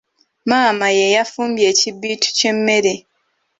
Maama ye yafumbye ekibbiitu ky’emmere.